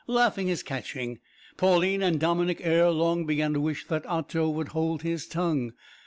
Laughter is catching. Pauline and Dominick, ere long, began to wish that Otto would hold his tongue.